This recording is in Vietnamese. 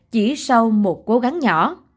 chỉ sau một cố gắng nhỏ